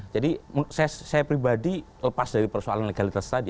jadi saya pribadi lepas dari persoalan legalitas tadi